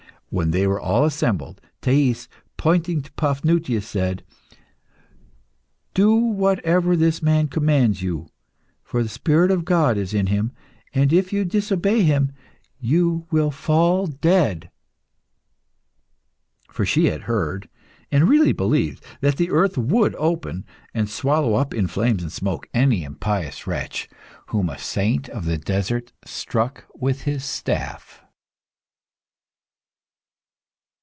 When they were all assembled, Thais, pointing to Paphnutius, said "Do whatever this man commands you; for the spirit of God is in him, and if you disobey him you will fall dead." For she had heard, and really believed, that the earth would open and swallow up in flames and smoke any impious wretch whom a saint of the desert struck with his staff.